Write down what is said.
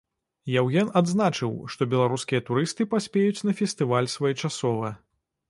Яўген адзначыў, што беларускія турысты паспеюць на фестываль своечасова.